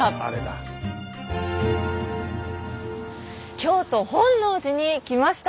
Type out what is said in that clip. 京都本能寺に来ました。